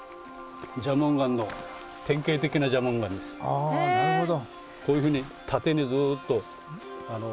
あなるほど。